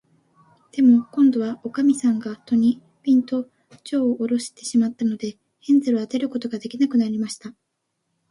でも、こんどは、おかみさんが戸に、ぴんと、じょうをおろしてしまったので、ヘンゼルは出ることができなくなりました。